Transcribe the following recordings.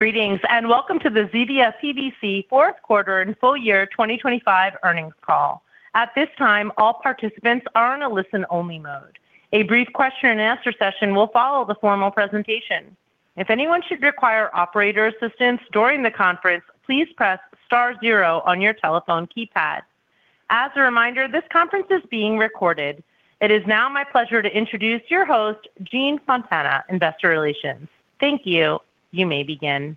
Greetings. Welcome to the Zevia PBC fourth quarter and full year 2025 earnings call. At this time, all participants are in a listen-only mode. A brief question and answer session will follow the formal presentation. If anyone should require operator assistance during the conference, please press star zero on your telephone keypad. As a reminder, this conference is being recorded. It is now my pleasure to introduce your host, Jean Fontana, Investor Relations. Thank you. You may begin.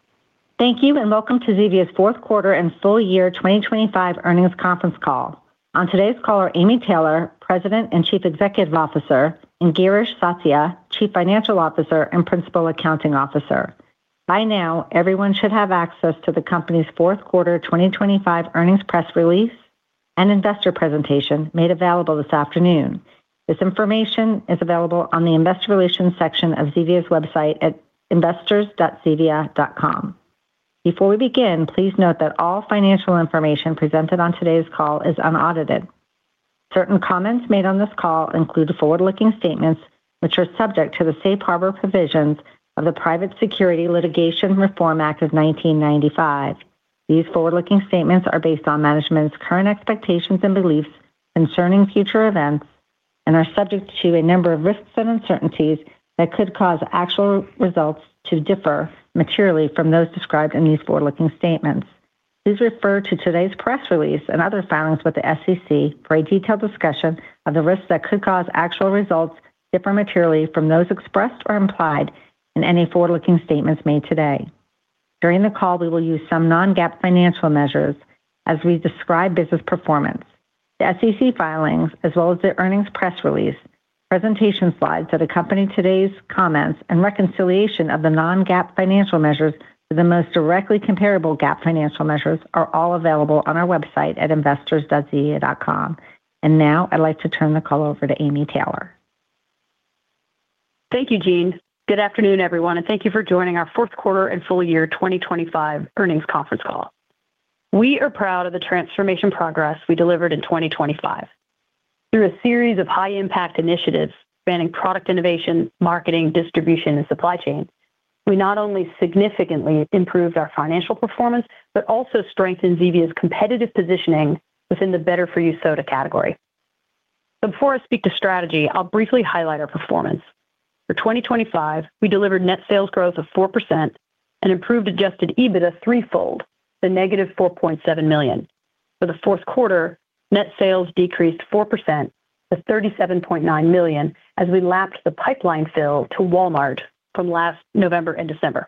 Thank you, and welcome to Zevia's fourth quarter and full year 2025 earnings conference call. On today's call are Amy Taylor, President and Chief Executive Officer, and Girish Satya, Chief Financial Officer and Principal Accounting Officer. By now, everyone should have access to the company's fourth quarter 2025 earnings press release and investor presentation made available this afternoon. This information is available on the investor relations section of Zevia's website at investors.zevia.com. Before we begin, please note that all financial information presented on today's call is unaudited. Certain comments made on this call include forward-looking statements, which are subject to the safe harbor provisions of the Private Securities Litigation Reform Act of 1995. These forward-looking statements are based on management's current expectations and beliefs concerning future events and are subject to a number of risks and uncertainties that could cause actual results to differ materially from those described in these forward-looking statements. Please refer to today's press release and other filings with the SEC for a detailed discussion of the risks that could cause actual results to differ materially from those expressed or implied in any forward-looking statements made today. During the call, we will use some Non-GAAP financial measures as we describe business performance. The SEC filings as well as the earnings press release, presentation slides that accompany today's comments, and reconciliation of the Non-GAAP financial measures to the most directly comparable GAAP financial measures are all available on our website at investors.zevia.com. Now I'd like to turn the call over to Amy Taylor. Thank you, Jean. Good afternoon, everyone, and thank you for joining our fourth quarter and full year 2025 earnings conference call. We are proud of the transformation progress we delivered in 2025. Through a series of high-impact initiatives spanning product innovation, marketing, distribution, and supply chain, we not only significantly improved our financial performance, but also strengthened Zevia's competitive positioning within the better-for-you soda category. Before I speak to strategy, I'll briefly highlight our performance. For 2025, we delivered net sales growth of 4% and improved adjusted EBITDA threefold to -$4.7 million. For the fourth quarter, net sales decreased 4% to $37.9 million as we lapsed the pipeline fill to Walmart from last November and December.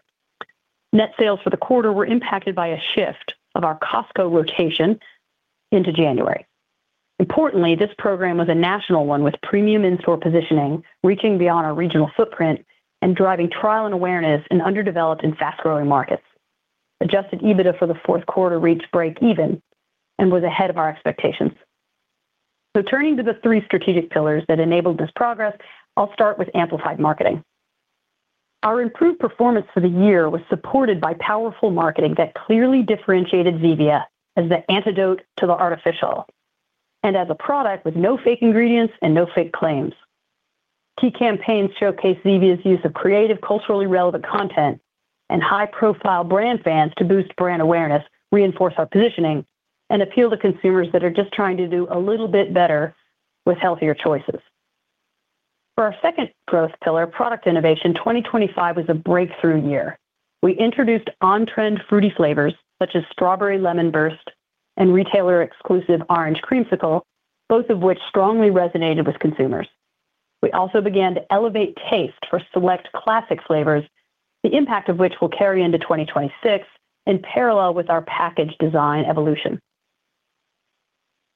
Net sales for the quarter were impacted by a shift of our Costco rotation into January. Importantly, this program was a national one, with premium in-store positioning reaching beyond our regional footprint and driving trial and awareness in underdeveloped and fast-growing markets. Adjusted EBITDA for the fourth quarter reached break even and was ahead of our expectations. Turning to the three strategic pillars that enabled this progress, I'll start with amplified marketing. Our improved performance for the year was supported by powerful marketing that clearly differentiated Zevia as the antidote to the artificial, and as a product with no fake ingredients and no fake claims. Key campaigns showcased Zevia's use of creative, culturally relevant content and high-profile brand fans to boost brand awareness, reinforce our positioning, and appeal to consumers that are just trying to do a little bit better with healthier choices. For our second growth pillar, product innovation, 2025 was a breakthrough year. We introduced on-trend fruity flavors such as Strawberry Lemon Burst and retailer-exclusive Orange Creamsicle, both of which strongly resonated with consumers. We also began to elevate taste for select classic flavors, the impact of which will carry into 2026, in parallel with our package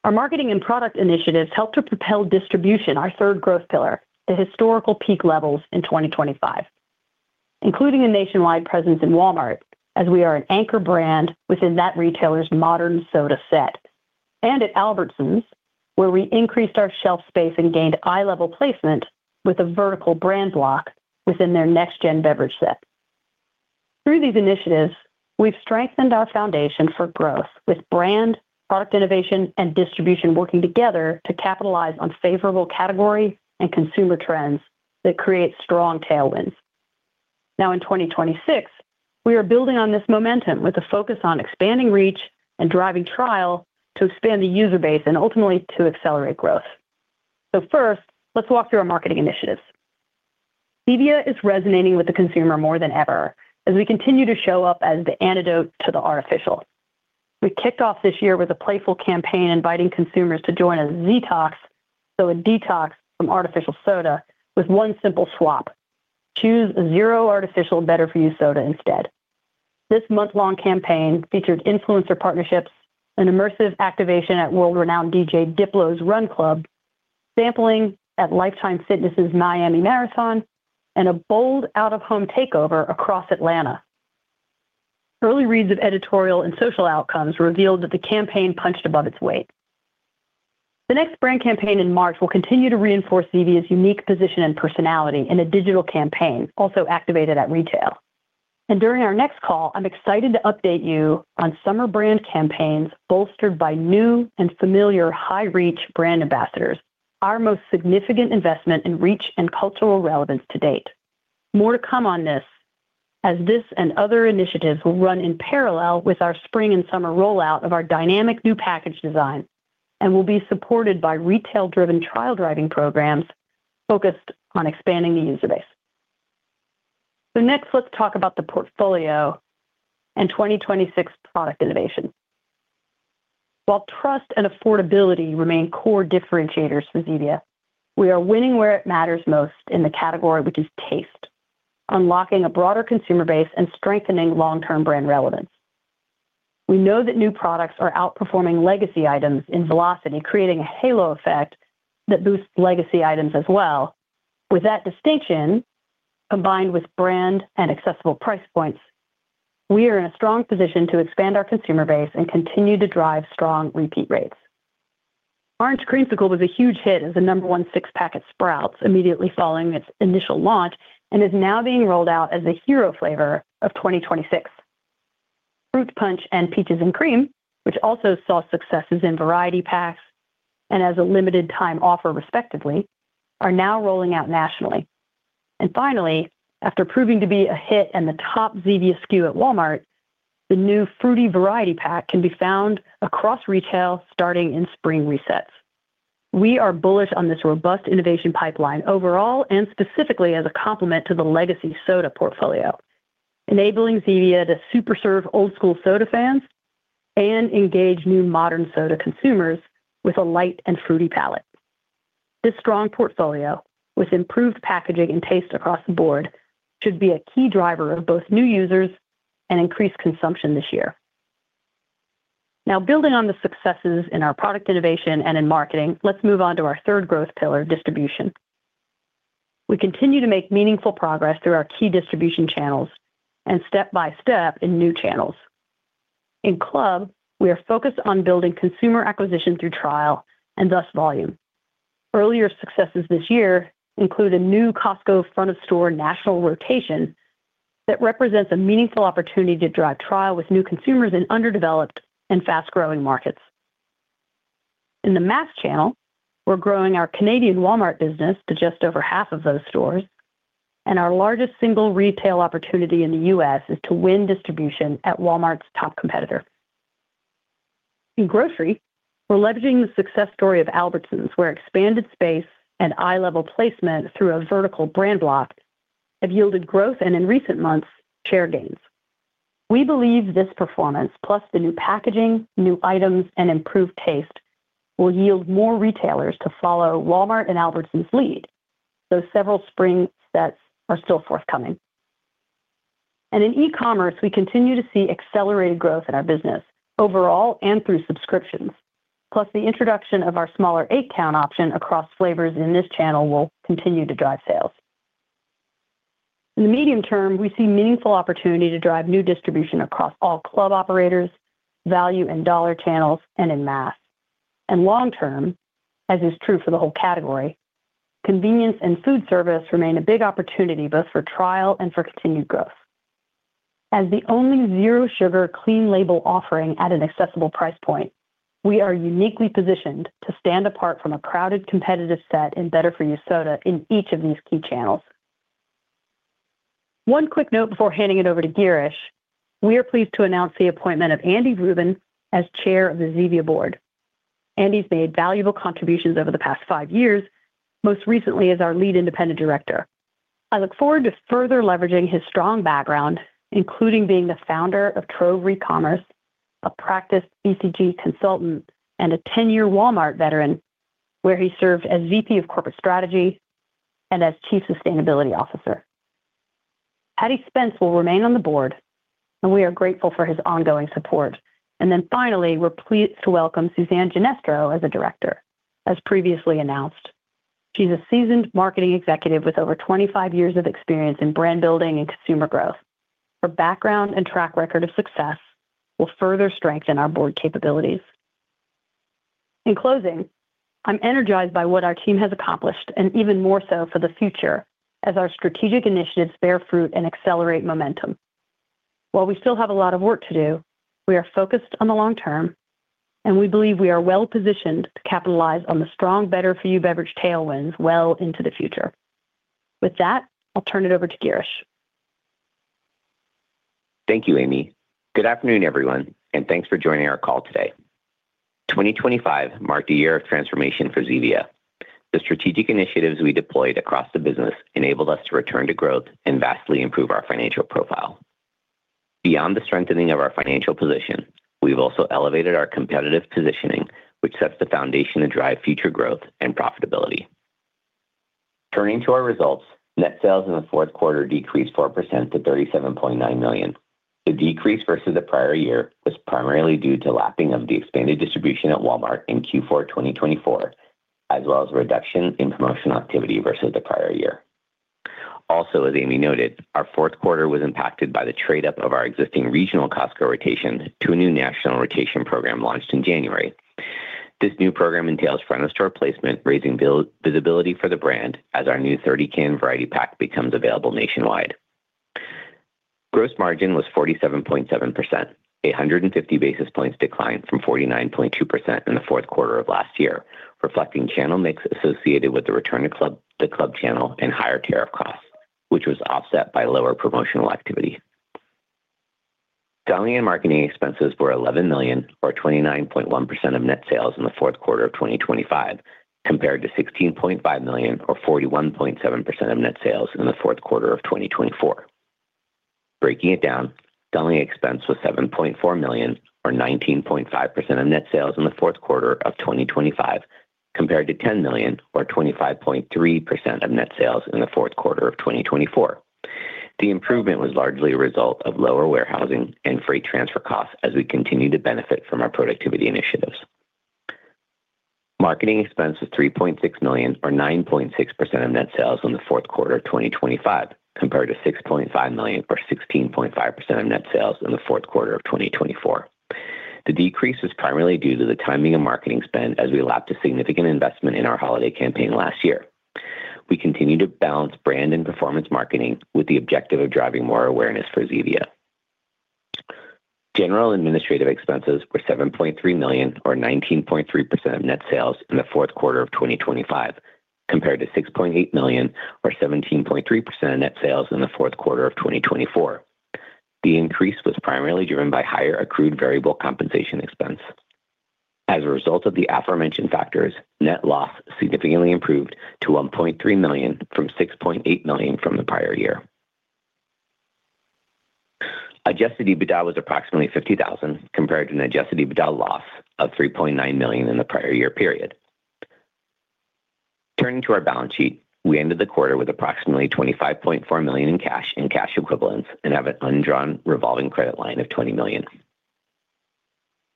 design evolution. Our marketing and product initiatives helped to propel distribution, our third growth pillar, to historical peak levels in 2025, including a nationwide presence in Walmart, as we are an anchor brand within that retailer's modern soda set, and at Albertsons, where we increased our shelf space and gained eye-level placement with a vertical brand block within their next-gen beverage set. Through these initiatives, we've strengthened our foundation for growth, with brand, product innovation, and distribution working together to capitalize on favorable category and consumer trends that create strong tailwinds. In 2026, we are building on this momentum with a focus on expanding reach and driving trial to expand the user base and ultimately to accelerate growth. First, let's walk through our marketing initiatives. Zevia is resonating with the consumer more than ever as we continue to show up as the antidote to the artificial. We kicked off this year with a playful campaign inviting consumers to join a Ztox, so a detox from artificial soda with one simple swap. Choose a zero artificial better-for-you soda instead. This month-long campaign featured influencer partnerships, an immersive activation at world-renowned DJ Diplo's Run Club, sampling at Life Time's Miami Marathon, and a bold out-of-home takeover across Atlanta. Early reads of editorial and social outcomes revealed that the campaign punched above its weight. The next brand campaign in March will continue to reinforce Zevia's unique position and personality in a digital campaign, also activated at retail. During our next call, I'm excited to update you on summer brand campaigns, bolstered by new and familiar high-reach brand ambassadors. Our most significant investment in reach and cultural relevance to date. More to come on this as this and other initiatives will run in parallel with our spring and summer rollout of our dynamic new package design and will be supported by retail-driven trial driving programs focused on expanding the user base. Next, let's talk about the portfolio and 2026 product innovation. While trust and affordability remain core differentiators for Zevia, we are winning where it matters most in the category, which is taste, unlocking a broader consumer base and strengthening long-term brand relevance. We know that new products are outperforming legacy items in velocity, creating a halo effect that boosts legacy items as well. With that distinction, combined with brand and accessible price points, we are in a strong position to expand our consumer base and continue to drive strong repeat rates. Orange Creamsicle was a huge hit as the number one 6-pack at Sprouts immediately following its initial launch, and is now being rolled out as a hero flavor of 2026. Fruit Punch and Peaches & Cream, which also saw successes in variety packs and as a limited time offer respectively, are now rolling out nationally. Finally, after proving to be a hit and the top Zevia SKU at Walmart, the new fruity variety pack can be found across retail starting in spring resets. We are bullish on this robust innovation pipeline overall and specifically as a complement to the legacy soda portfolio, enabling Zevia to super serve old school soda fans and engage new modern soda consumers with a light and fruity palette. This strong portfolio, with improved packaging and taste across the board, should be a key driver of both new users and increased consumption this year. Now, building on the successes in our product innovation and in marketing, let's move on to our third growth pillar, distribution. We continue to make meaningful progress through our key distribution channels and step by step in new channels. In club, we are focused on building consumer acquisition through trial and thus volume. Earlier successes this year include a new Costco front-of-store national rotation that represents a meaningful opportunity to drive trial with new consumers in underdeveloped and fast-growing markets. In the mass channel, we're growing our Walmart Canada business to just over half of those stores, and our largest single retail opportunity in the U.S. is to win distribution at Walmart's top competitor. In grocery, we're leveraging the success story of Albertsons, where expanded space and eye-level placement through a vertical brand block have yielded growth and, in recent months, share gains. We believe this performance, plus the new packaging, new items, and improved taste, will yield more retailers to follow Walmart and Albertsons' lead, though several spring sets are still forthcoming. In e-commerce, we continue to see accelerated growth in our business overall and through subscriptions. Plus, the introduction of our smaller eight-count option across flavors in this channel will continue to drive sales. In the medium term, we see meaningful opportunity to drive new distribution across all club operators, value and dollar channels, and in mass. Long-term, as is true for the whole category, convenience and foodservice remain a big opportunity both for trial and for continued growth. As the only zero sugar, clean label offering at an accessible price point, we are uniquely positioned to stand apart from a crowded, competitive set and better-for-you soda in each of these key channels. One quick note before handing it over to Girish. We are pleased to announce the appointment of Andy Ruben as Chair of the Zevia Board. Andy's made valuable contributions over the past five years, most recently as our Lead Independent Director. I look forward to further leveraging his strong background, including being the founder of Trove Recommerce, a practiced BCG consultant, and a 10-year Walmart veteran, where he served as VP of Corporate Strategy and as Chief Sustainability Officer. Paddy Spence will remain on the board, we are grateful for his ongoing support. Finally, we're pleased to welcome Suzanne Ginestro as a Director. As previously announced, she's a seasoned marketing executive with over 25 years of experience in brand building and consumer growth. Her background and track record of success will further strengthen our board capabilities. In closing, I'm energized by what our team has accomplished, and even more so for the future, as our strategic initiatives bear fruit and accelerate momentum. While we still have a lot of work to do, we are focused on the long term, and we believe we are well-positioned to capitalize on the strong, better for you beverage tailwinds well into the future. With that, I'll turn it over to Girish. Thank you, Amy. Good afternoon, everyone, thanks for joining our call today. 2025 marked a year of transformation for Zevia. The strategic initiatives we deployed across the business enabled us to return to growth and vastly improve our financial profile. Beyond the strengthening of our financial position, we've also elevated our competitive positioning, which sets the foundation to drive future growth and profitability. Turning to our results, net sales in the fourth quarter decreased 4% to $37.9 million. The decrease versus the prior year was primarily due to lapping of the expanded distribution at Walmart in Q4 2024, as well as a reduction in promotional activity versus the prior year. As Amy noted, our fourth quarter was impacted by the trade-up of our existing regional Costco rotation to a new national rotation program launched in January. This new program entails front-of-store placement, raising visibility for the brand as our new 30-can variety pack becomes available nationwide. Gross margin was 47.7%, 150 basis points decline from 49.2% in the fourth quarter of last year, reflecting channel mix associated with the return to club channel and higher tariff costs, which was offset by lower promotional activity. Selling and marketing expenses were $11 million, or 29.1% of net sales in the fourth quarter of 2025, compared to $16.5 million or 41.7% of net sales in the fourth quarter of 2024. Breaking it down, selling expense was $7.4 million, or 19.5% of net sales in the fourth quarter of 2025, compared to $10 million or 25.3% of net sales in the fourth quarter of 2024. The improvement was largely a result of lower warehousing and freight transfer costs as we continue to benefit from our productivity initiatives. Marketing expense was $3.6 million, or 9.6% of net sales in the fourth quarter of 2025, compared to $6.5 million or 16.5% of net sales in the fourth quarter of 2024. The decrease was primarily due to the timing of marketing spend as we lapped a significant investment in our holiday campaign last year. We continue to balance brand and performance marketing with the objective of driving more awareness for Zevia. General administrative expenses were $7.3 million or 19.3% of net sales in the fourth quarter of 2025, compared to $6.8 million or 17.3% of net sales in the fourth quarter of 2024. The increase was primarily driven by higher accrued variable compensation expense. As a result of the aforementioned factors, net loss significantly improved to $1.3 million from $6.8 million from the prior year. Adjusted EBITDA was approximately $50,000, compared to an Adjusted EBITDA loss of $3.9 million in the prior year period. Turning to our balance sheet, we ended the quarter with approximately $25.4 million in cash and cash equivalents and have an undrawn revolving credit line of $20 million.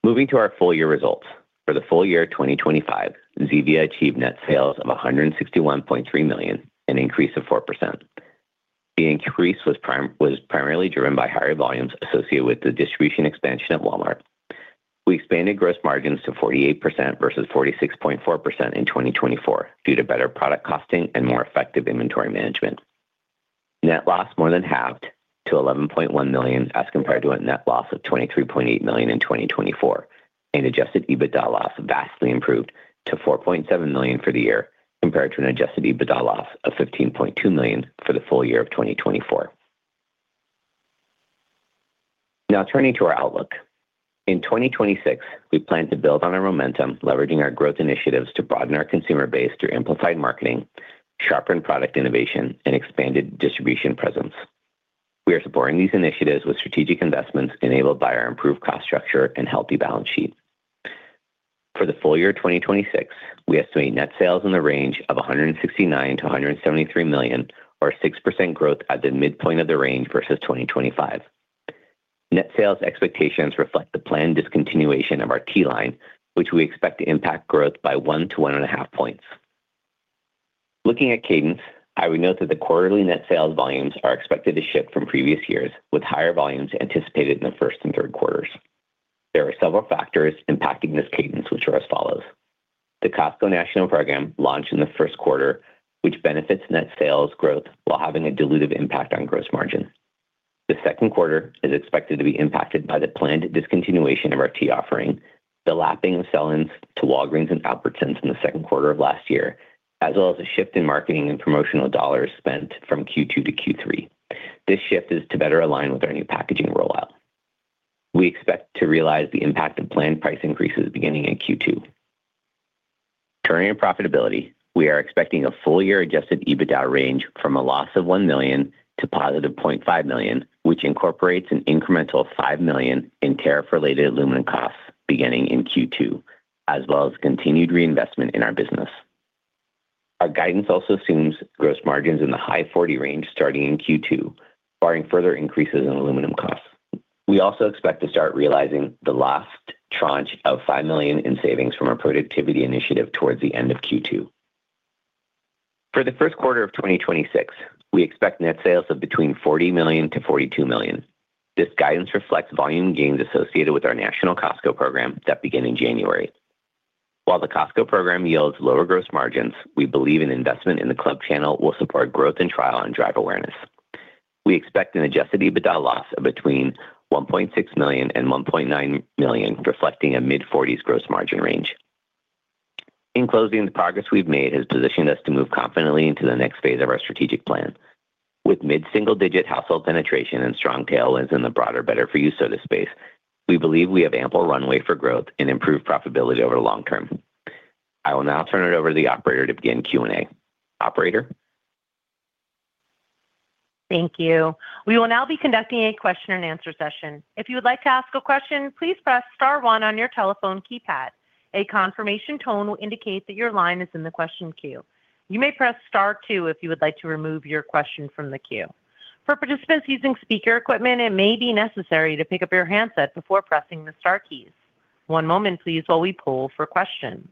Moving to our full year results. For the full year of 2025, Zevia achieved net sales of $161.3 million, an increase of 4%. The increase was primarily driven by higher volumes associated with the distribution expansion at Walmart. We expanded gross margins to 48% versus 46.4% in 2024, due to better product costing and more effective inventory management. Net loss more than halved to $11.1 million, as compared to a net loss of $23.8 million in 2024. Adjusted EBITDA loss vastly improved to $4.7 million for the year, compared to an adjusted EBITDA loss of $15.2 million for the full year of 2024. Turning to our outlook. In 2026, we plan to build on our momentum, leveraging our growth initiatives to broaden our consumer base through amplified marketing, sharpened product innovation, and expanded distribution presence. We are supporting these initiatives with strategic investments enabled by our improved cost structure and healthy balance sheet. For the full year of 2026, we estimate net sales in the range of $169 million-$173 million, or 6% growth at the midpoint of the range versus 2025. Net sales expectations reflect the planned discontinuation of our tea line, which we expect to impact growth by 1-1.5 points. Looking at cadence, I would note that the quarterly net sales volumes are expected to shift from previous years, with higher volumes anticipated in the first and third quarters. There are several factors impacting this cadence, which are as follows: The Costco National Program launched in the first quarter, which benefits net sales growth while having a dilutive impact on gross margin. The second quarter is expected to be impacted by the planned discontinuation of our tea offering, the lapping of sell-ins to Walgreens and Albertsons in the second quarter of last year, as well as a shift in marketing and promotional dollars spent from Q2-Q3. This shift is to better align with our new packaging rollout. We expect to realize the impact of planned price increases beginning in Q2. Turning to profitability, we are expecting a full year adjusted EBITDA range from a loss of $1 million to positive $0.5 million, which incorporates an incremental $5 million in tariff-related aluminum costs beginning in Q2, as well as continued reinvestment in our business. Our guidance also assumes gross margins in the high 40 range starting in Q2, barring further increases in aluminum costs. We also expect to start realizing the last tranche of $5 million in savings from our productivity initiative towards the end of Q2. For the first quarter of 2026, we expect net sales of between $40 million-$42 million. This guidance reflects volume gains associated with our national Costco program that began in January. The Costco program yields lower gross margins, we believe an investment in the club channel will support growth and trial and drive awareness. We expect an adjusted EBITDA loss of between $1.6 million and $1.9 million, reflecting a mid-40s gross margin range. In closing, the progress we've made has positioned us to move confidently into the next phase of our strategic plan. With mid-single-digit household penetration and strong tailwinds in the broader better-for-you soda space, we believe we have ample runway for growth and improved profitability over the long term. I will now turn it over to the operator to begin Q&A. Operator? Thank you. We will now be conducting a question and answer session. If you would like to ask a question, please press star one on your telephone keypad. A confirmation tone will indicate that your line is in the question queue. You may press star two if you would like to remove your question from the queue. For participants using speaker equipment, it may be necessary to pick up your handset before pressing the star keys. One moment please while we poll for questions.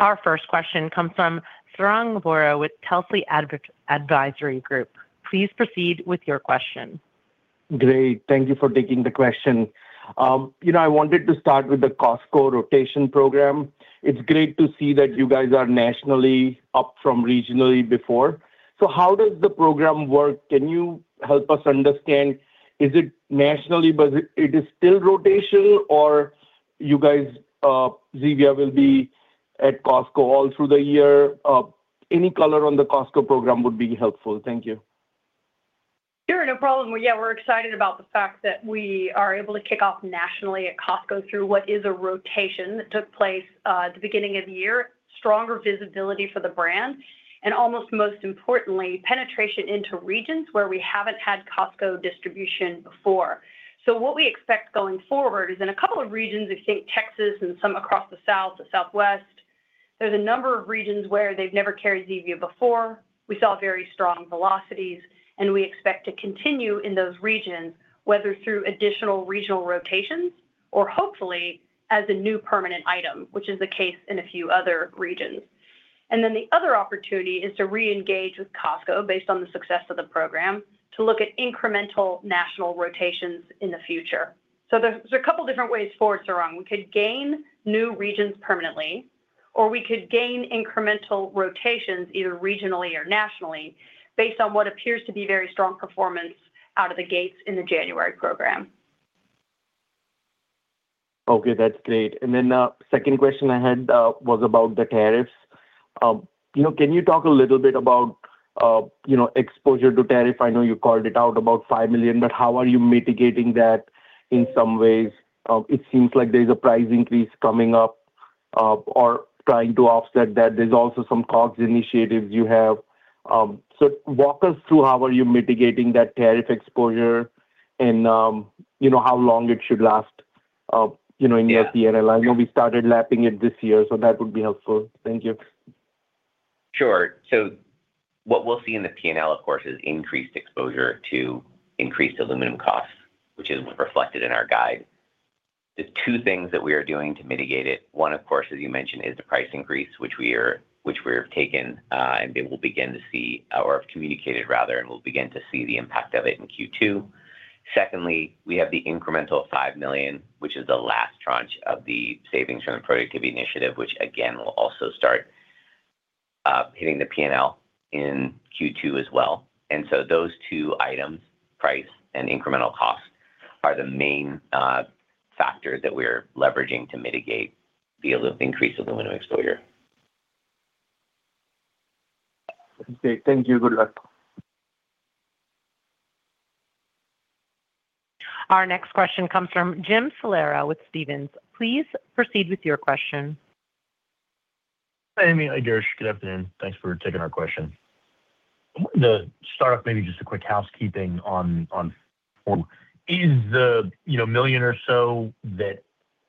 Our first question comes from Sarang Vora with Telsey Advisory Group. Please proceed with your question. Great. Thank you for taking the question. You know, I wanted to start with the Costco rotation program. It's great to see that you guys are nationally up from regionally before. How does the program work? Can you help us understand, is it nationally, but it is still rotational, or you guys, Zevia will be at Costco all through the year? Any color on the Costco program would be helpful. Thank you. Sure, no problem. Yeah, we're excited about the fact that we are able to kick off nationally at Costco through what is a rotation that took place at the beginning of the year. Stronger visibility for the brand, and almost most importantly, penetration into regions where we haven't had Costco distribution before. What we expect going forward is in a couple of regions, the state, Texas and some across the South to Southwest, there's a number of regions where they've never carried Zevia before. We saw very strong velocities, and we expect to continue in those regions, whether through additional regional rotations or hopefully as a new permanent item, which is the case in a few other regions. The other opportunity is to reengage with Costco based on the success of the program, to look at incremental national rotations in the future. There's a couple different ways forward to run. We could gain new regions permanently, or we could gain incremental rotations, either regionally or nationally, based on what appears to be very strong performance out of the gates in the January program. Okay, that's great. Then, second question I had was about the tariffs. you know, can you talk a little bit about, you know, exposure to tariff? I know you called it out about $5 million, but how are you mitigating that in some ways? it seems like there's a price increase coming up or trying to offset that. There's also some cost initiatives you have. walk us through how are you mitigating that tariff exposure and, you know, how long it should last, you know, in the. Yes. PNL. I know we started lapping it this year, so that would be helpful. Thank you. Sure. What we'll see in the PNL, of course, is increased exposure to increased aluminum costs, which is reflected in our guide. There's two things that we are doing to mitigate it. One, of course, as you mentioned, is the price increase, which we have taken, and people will begin to see or have communicated rather, and we'll begin to see the impact of it in Q2. Secondly, we have the incremental $5 million, which is the last tranche of the savings from the productivity initiative, which again, will also start hitting the PNL in Q2 as well. Those two items, price and incremental cost, are the main factors that we're leveraging to mitigate the increased aluminum exposure. Okay, thank you. Good luck. Our next question comes from Jim Salera with Stephens. Please proceed with your question. Hi, Amy. Hi, Girish. Good afternoon. Thanks for taking our question. To start off, maybe just a quick housekeeping on form. Is the, you know, $1 million or so that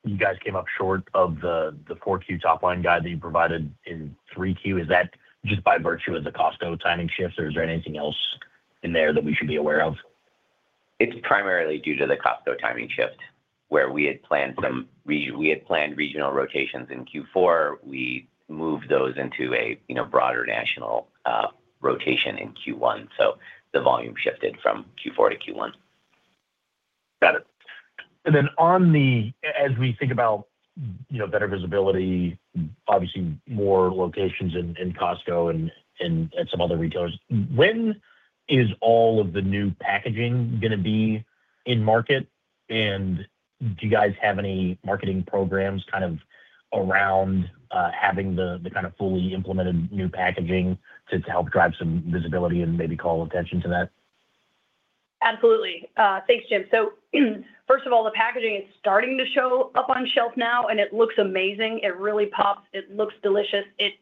you guys came up short of the 4Q top line guide that you provided in 3Q, is that just by virtue of the Costco timing shifts, or is there anything else in there that we should be aware of? It's primarily due to the Costco timing shift, where we had planned regional rotations in Q4. We moved those into a, you know, broader national rotation in Q1, so the volume shifted from Q4-Q1. Got it. Then on the As we think about, you know, better visibility, obviously, more locations in Costco and at some other retailers, when is all of the new packaging gonna be in market? And do you guys have any marketing programs kind of around having the kind of fully implemented new packaging to help drive some visibility and maybe call attention to that? Absolutely. Thanks, Jim. First of all, the packaging is starting to show up on shelf now, and it looks amazing. It really pops, it looks delicious, it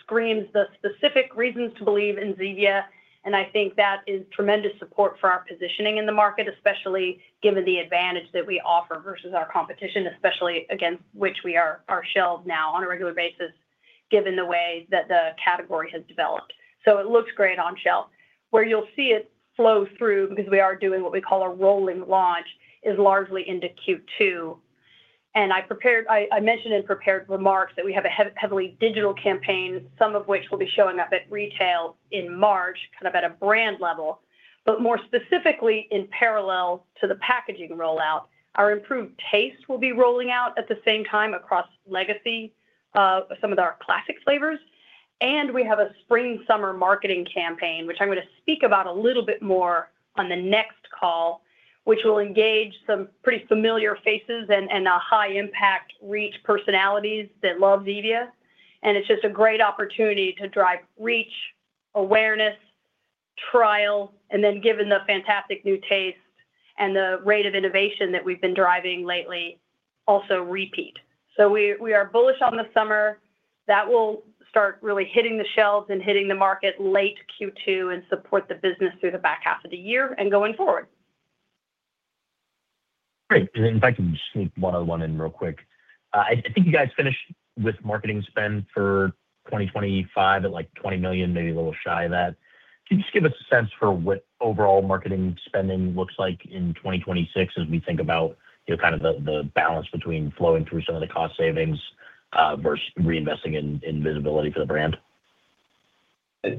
screams the specific reasons to believe in Zevia, and I think that is tremendous support for our positioning in the market, especially given the advantage that we offer versus our competition, especially against which we are shelved now on a regular basis, given the way that the category has developed. It looks great on shelf. Where you'll see it flow through, because we are doing what we call a rolling launch, is largely into Q2. I mentioned in prepared remarks that we have a heavily digital campaign, some of which will be showing up at retail in March, kind of at a brand level. More specifically, in parallel to the packaging rollout, our improved taste will be rolling out at the same time across legacy, some of our classic flavors. We have a spring/summer marketing campaign, which I'm gonna speak about a little bit more on the next call, which will engage some pretty familiar faces and a high impact reach personalities that love Zevia. It's just a great opportunity to drive reach, awareness, trial, and then given the fantastic new taste and the rate of innovation that we've been driving lately, also repeat. We, we are bullish on the summer. That will start really hitting the shelves and hitting the market late Q2 and support the business through the back half of the year and going forward. Great. If I can just sneak one-on-one in real quick. I think you guys finished with marketing spend for 2025 at, like, $20 million, maybe a little shy of that. Can you just give us a sense for what overall marketing spending looks like in 2026 as we think about, you know, kind of the balance between flowing through some of the cost savings versus reinvesting in visibility for the brand?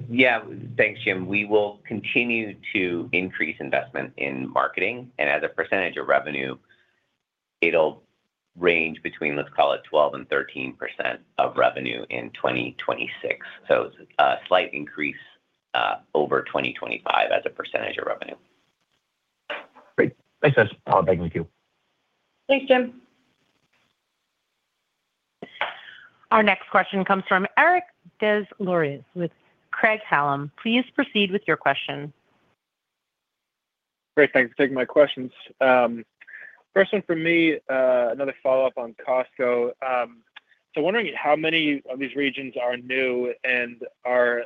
Yeah, thanks, Jim. We will continue to increase investment in marketing, and as a percentage of revenue, it'll range between, let's call it, 12% and 13% of revenue in 2026. It's a slight increase over 2025 as a percentage of revenue. Great. Thanks, guys. I'll back with you. Thanks, Jim. Our next question comes from Eric DesLauriers with Craig-Hallum. Please proceed with your question. Great, thanks for taking my questions. First one from me, another follow-up on Costco. Wondering how many of these regions are new. Are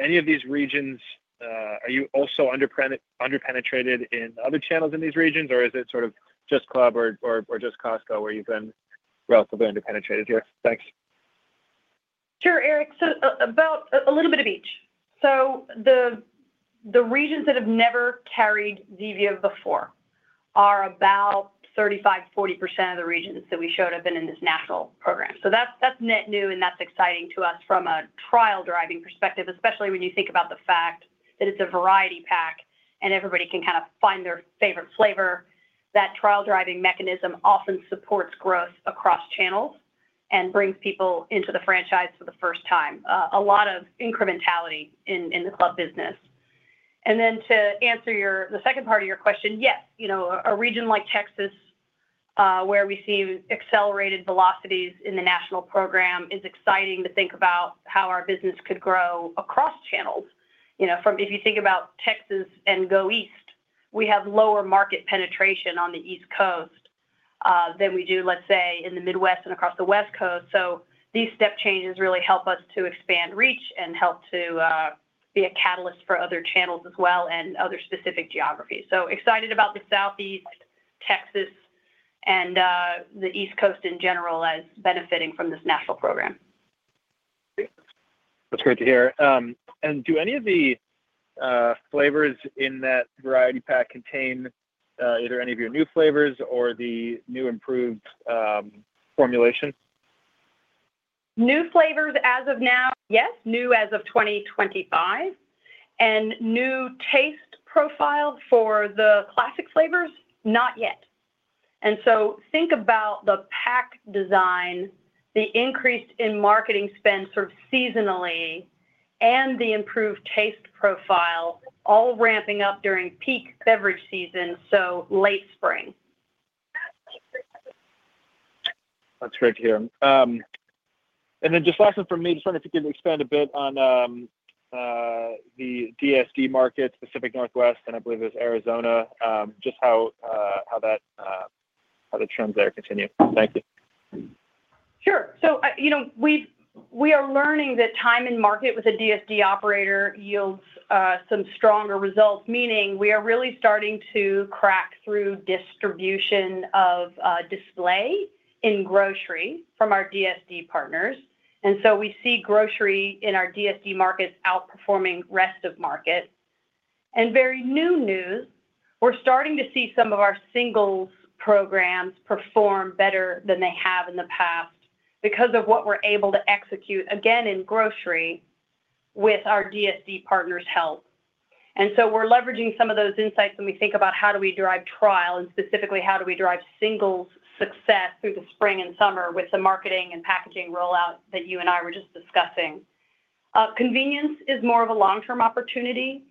any of these regions, are you also under-penetrated in other channels in these regions, or is it sort of just Club or just Costco, where you've been relatively under-penetrated here? Thanks. Sure, Eric. About a little bit of each. The regions that have never carried Zevia before are about 35%, 40% of the regions that we showed up in this national program. That's net new, and that's exciting to us from a trial driving perspective, especially when you think about the fact that it's a variety pack and everybody can kind of find their favorite flavor. That trial driving mechanism often supports growth across channels and brings people into the franchise for the first time. A lot of incrementality in the club business. Then to answer your the second part of your question, yes, you know, a region like Texas, where we see accelerated velocities in the national program, is exciting to think about how our business could grow across channels. You know, if you think about Texas and go east, we have lower market penetration on the East Coast than we do, let's say, in the Midwest and across the West Coast. These step changes really help us to expand reach and help to be a catalyst for other channels as well and other specific geographies. Excited about the Southeast, Texas, and the East Coast in general, as benefiting from this national program. Great! That's great to hear. Do any of the flavors in that variety pack contain either any of your new flavors or the new improved formulation? New flavors as of now, yes, new as of 2025, and new taste profile for the classic flavors, not yet. Think about the pack design, the increase in marketing spend sort of seasonally, and the improved taste profile all ramping up during peak beverage season, so late spring. That's great to hear. Just last one from me, just wondering if you could expand a bit on the DSD market, Pacific Northwest, and I believe it was Arizona, just how that, how the trends there continue. Thank you. Sure. you know, we are learning that time in market with a DSD operator yields some stronger results, meaning we are really starting to crack through distribution of display in grocery from our DSD partners. We see grocery in our DSD markets outperforming rest of market. Very new news, we're starting to see some of our singles programs perform better than they have in the past because of what we're able to execute, again, in grocery with our DSD partners' help. We're leveraging some of those insights when we think about how do we drive trial, and specifically, how do we drive singles success through the spring and summer with the marketing and packaging rollout that you and I were just discussing. Convenience is more of a long-term opportunity.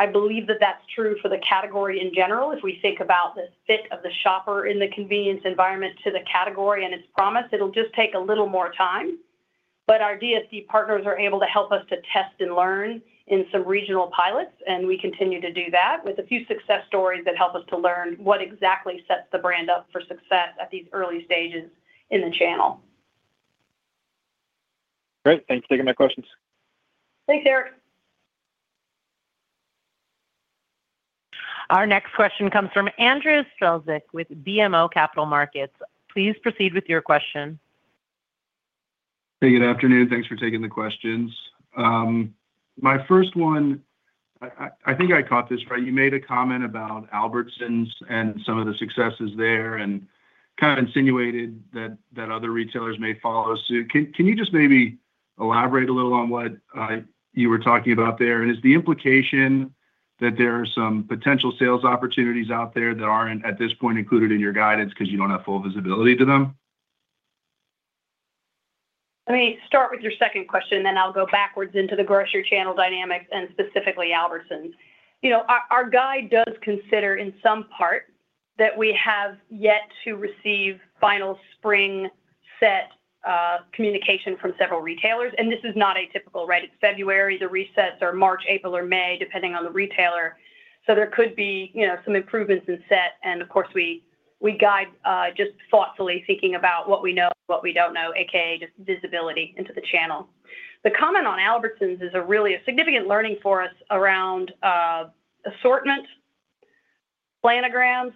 I believe that that's true for the category in general. If we think about the fit of the shopper in the convenience environment to the category and its promise, it'll just take a little more time. Our DSD partners are able to help us to test and learn in some regional pilots, and we continue to do that with a few success stories that help us to learn what exactly sets the brand up for success at these early stages in the channel. Great. Thanks for taking my questions. Thanks, Eric. Our next question comes from Andrew Strelzik with BMO Capital Markets. Please proceed with your question. Hey, good afternoon. Thanks for taking the questions. My first one, I think I caught this right. You made a comment about Albertsons and some of the successes there and kind of insinuated that other retailers may follow suit. Can you just maybe elaborate a little on what you were talking about there? Is the implication that there are some potential sales opportunities out there that aren't, at this point, included in your guidance because you don't have full visibility to them? Let me start with your second question, then I'll go backwards into the grocery channel dynamics and specifically Albertsons. You know, our guide does consider, in some part, that we have yet to receive final spring set communication from several retailers, and this is not atypical, right? It's February, the resets are March, April or May, depending on the retailer. There could be, you know, some improvements in set, and of course, we guide just thoughtfully thinking about what we know, what we don't know, AKA, just visibility into the channel. The comment on Albertsons is a really a significant learning for us around assortment, planograms,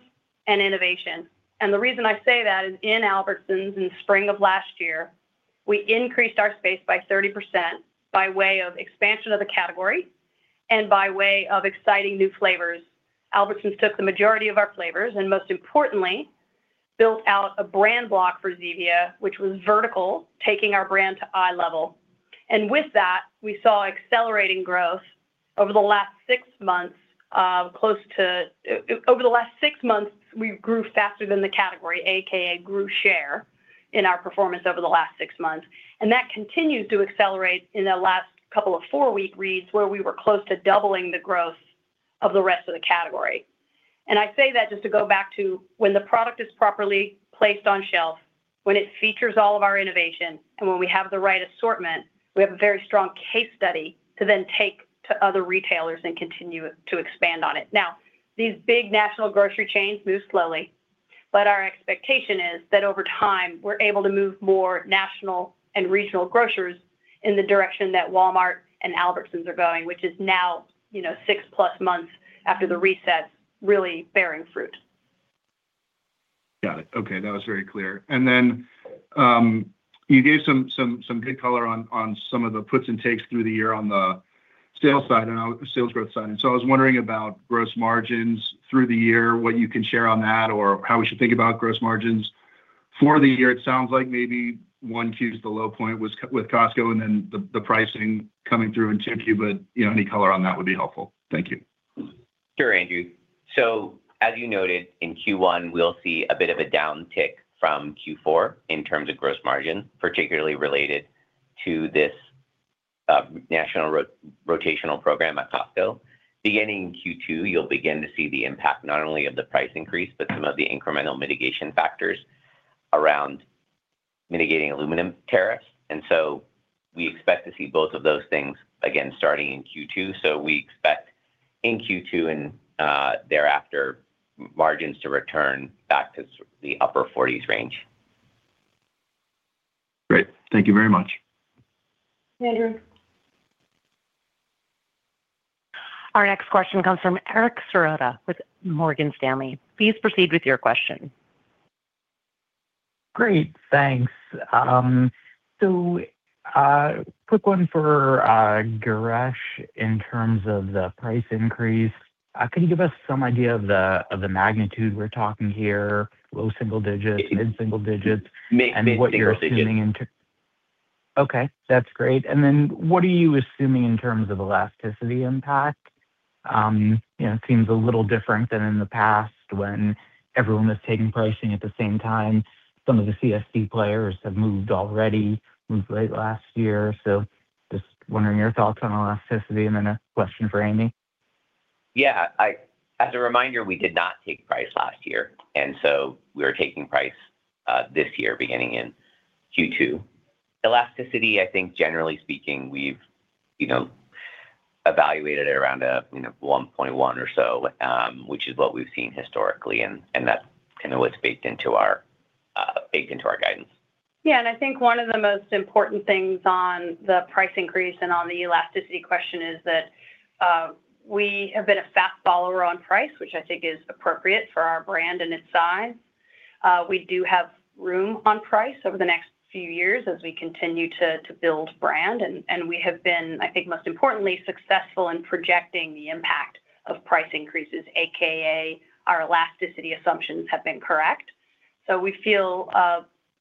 and innovation. The reason I say that is in Albertsons, in spring of last year, we increased our space by 30% by way of expansion of the category and by way of exciting new flavors. Albertsons took the majority of our flavors, most importantly built out a brand block for Zevia, which was vertical, taking our brand to eye level. With that, we saw accelerating growth over the last six months, close to over the last six months, we grew faster than the category, AKA, grew share in our performance over the last six months, that continues to accelerate in the last couple of four week reads, where we were close to doubling the growth of the rest of the category. I say that just to go back to when the product is properly placed on shelf, when it features all of our innovation, and when we have the right assortment, we have a very strong case study to then take to other retailers and continue to expand on it. Now, these big national grocery chains move slowly, but our expectation is that over time, we're able to move more national and regional grocers in the direction that Walmart and Albertsons are going, which is now, you know, 6+ months after the reset, really bearing fruit. Got it. Okay, that was very clear. Then you gave some good color on some of the puts and takes through the year on the sales side and sales growth side. So I was wondering about gross margins through the year, what you can share on that, or how we should think about gross margins. For the year, it sounds like maybe one Q is the low point, with Costco, and then the pricing coming through in Q2, you know, any color on that would be helpful. Thank you. Sure, Andrew. As you noted, in Q1, we'll see a bit of a downtick from Q4 in terms of gross margin, particularly related to this national rotational program at Costco. Beginning in Q2, you'll begin to see the impact, not only of the price increase, but some of the incremental mitigation factors around mitigating aluminum tariffs. We expect to see both of those things again, starting in Q2. We expect in Q2 and thereafter, margins to return back to the upper forties range. Great. Thank you very much. Thanks, Andrew. Our next question comes from Dara Mohsenian with Morgan Stanley. Please proceed with your question. Great, thanks. A quick one for Suresh in terms of the price increase. Can you give us some idea of the magnitude we're talking here, low single digits, mid-single digits? Mid-single digits. What you're assuming into. Okay, that's great. Then what are you assuming in terms of elasticity impact? You know, it seems a little different than in the past when everyone was taking pricing at the same time. Some of the CSD players have moved already, moved late last year. Just wondering your thoughts on elasticity, and then a question for Amy? Yeah. As a reminder, we did not take price last year. We are taking price this year, beginning in Q2. Elasticity, I think generally speaking, we've, you know, evaluated it around, you know, 1.1 or so, which is what we've seen historically, and that's kind of what's baked into our baked into our guidance. I think one of the most important things on the price increase and on the elasticity question is that, we have been a fast follower on price, which I think is appropriate for our brand and its size. We do have room on price over the next few years as we continue to build brand, and we have been, I think, most importantly, successful in projecting the impact of price increases, AKA, our elasticity assumptions have been correct. We feel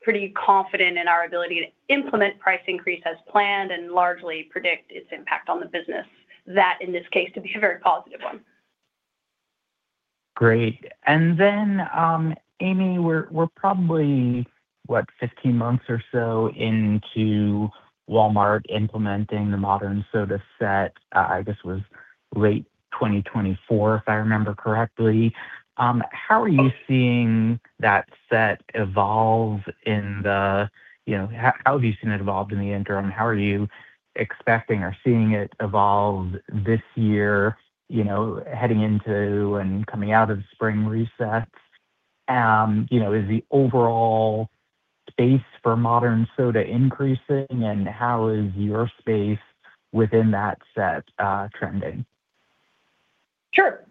pretty confident in our ability to implement price increase as planned and largely predict its impact on the business. That, in this case, to be a very positive one. Great. Amy, we're probably, what, 15 months or so into Walmart implementing the modern soda set, I guess it was late 2024, if I remember correctly. How are you seeing that set evolve in the... You know, how have you seen it evolved in the interim? How are you expecting or seeing it evolve this year, you know, heading into and coming out of spring resets? You know, is the overall space for modern soda increasing, and how is your space within that set trending? Sure.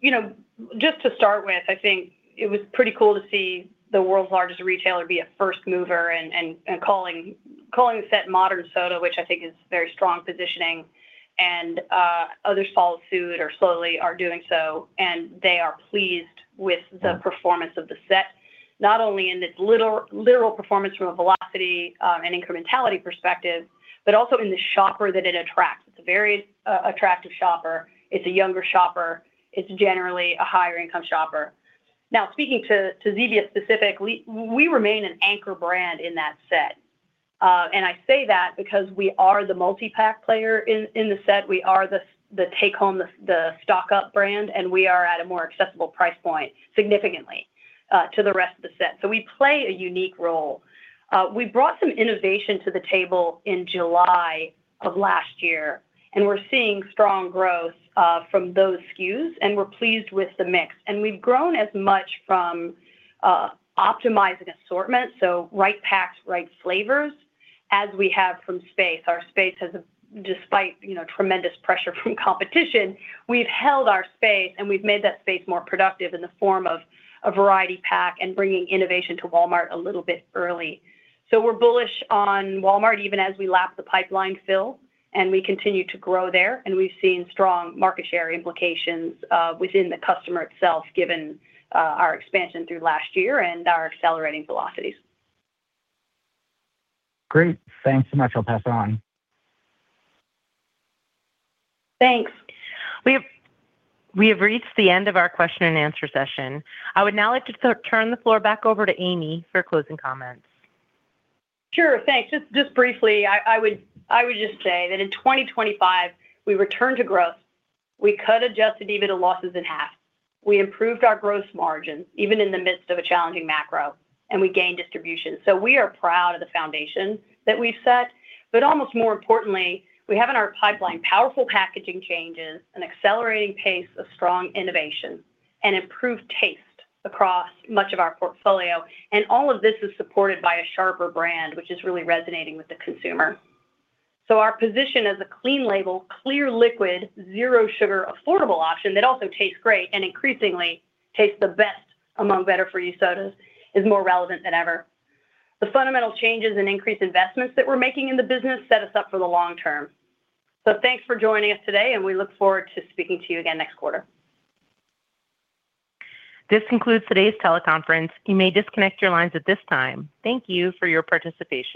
You know, just to start with, I think it was pretty cool to see the world's largest retailer be a first mover and calling the set modern soda, which I think is very strong positioning, and others followed suit or slowly are doing so, and they are pleased with the performance of the set, not only in its literal performance from a velocity and incrementality perspective, but also in the shopper that it attracts. It's a very attractive shopper, it's a younger shopper, it's generally a higher income shopper. Now, speaking to Zevia specifically, we remain an anchor brand in that set. I say that because we are the multi-pack player in the set. We are the take-home, the stock-up brand, and we are at a more accessible price point, significantly to the rest of the set. We play a unique role. We brought some innovation to the table in July of last year, and we're seeing strong growth from those SKUs, and we're pleased with the mix. We've grown as much from optimizing assortment, so right packs, right flavors, as we have from space. Our space has, despite, you know, tremendous pressure from competition, we've held our space, and we've made that space more productive in the form of a variety pack and bringing innovation to Walmart a little bit early. We're bullish on Walmart, even as we lap the pipeline fill, and we continue to grow there, and we've seen strong market share implications within the customer itself, given our expansion through last year and our accelerating velocities. Great. Thanks so much. I'll pass it on. Thanks. We have reached the end of our question and answer session. I would now like to turn the floor back over to Amy for closing comments. Sure, thanks. Just briefly, I would just say that in 2025, we returned to growth, we cut adjusted EBITDA losses in half, we improved our gross margins, even in the midst of a challenging macro, and we gained distribution. We are proud of the foundation that we've set, but almost more importantly, we have in our pipeline, powerful packaging changes, an accelerating pace of strong innovation, and improved taste across much of our portfolio, and all of this is supported by a sharper brand, which is really resonating with the consumer. Our position as a clean label, clear liquid, zero sugar, affordable option that also tastes great and increasingly tastes the best among better-for-you sodas is more relevant than ever. The fundamental changes and increased investments that we're making in the business set us up for the long term. Thanks for joining us today, and we look forward to speaking to you again next quarter. This concludes today's teleconference. You may disconnect your lines at this time. Thank you for your participation.